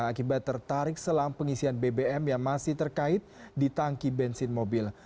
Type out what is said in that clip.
akibat tertarik selang pengisian bbm yang masih terkait di tangki bensin mobil